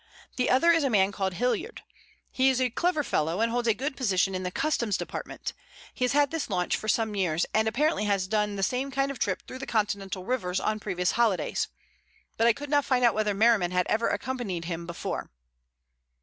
The other is a man called Hilliard. He is a clever fellow, and holds a good position in the Customs Department. He has had this launch for some years, and apparently has done the same kind of trip through the Continental rivers on previous holidays. But I could not find out whether Merriman had ever accompanied him before."